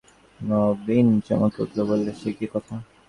নবীন চমকে উঠল, বললে, সে কী কথা?